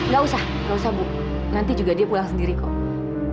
gak usah nggak usah buk nanti juga dia pulang sendiri kok